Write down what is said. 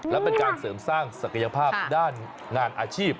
และเป็นการเสริมสร้างศักยภาพด้านงานอาชีพ